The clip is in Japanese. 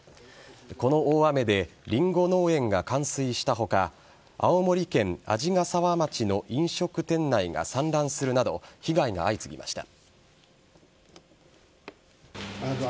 この大雨でリンゴ農園が冠水した他青森県鰺ヶ沢町の飲食店内が散乱するなど被害が相次ぎました。